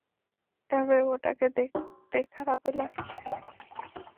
এভাবে ওটাকে দেখতে খারাপই লাগছে!